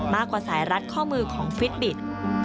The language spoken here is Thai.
กว่าสายรัดข้อมือของฟิตบิต